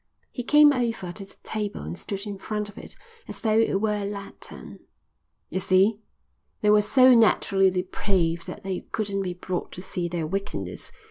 '" He came over to the table and stood in front of it as though it were a lectern. "You see, they were so naturally depraved that they couldn't be brought to see their wickedness.